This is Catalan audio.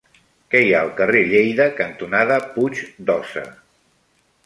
Què hi ha al carrer Lleida cantonada Puig d'Óssa?